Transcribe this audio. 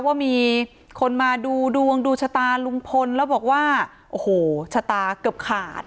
ว่ามีคนมาดูดวงดูชะตาลุงพลแล้วบอกว่าโอ้โหชะตาเกือบขาด